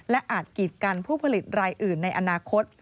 อาจกีดกันผู้ผลิตรายอื่นในอนาคต